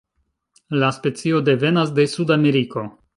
La specio devenas de Sudameriko.